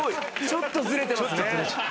ちょっとズレてますね。